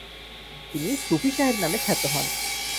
তিনি সুফি সাহেব নামে খ্যাত হন।